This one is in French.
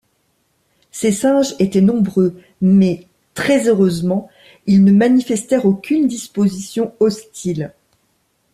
Ces singes étaient nombreux, mais, très-heureusement, ils ne manifestèrent aucune disposition hostile.